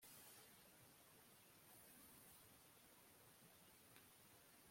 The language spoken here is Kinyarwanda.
Ntabwo ari ijambo ryishongora